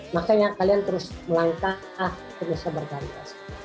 makanya kalian terus melangkah terusnya berkarya